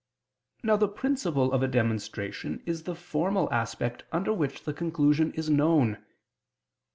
Now the principle of a demonstration is the formal aspect under which the conclusion is known.